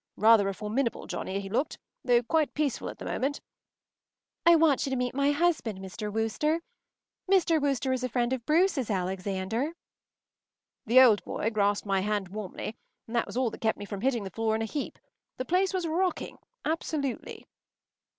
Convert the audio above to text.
Rather a formidable Johnnie, he looked, though quite peaceful at the moment. “I want you to meet my husband, Mr. Wooster. Mr. Wooster is a friend of Bruce’s, Alexander.” The old boy grasped my hand warmly, and that was all that kept me from hitting the floor in a heap. The place was rocking. Absolutely.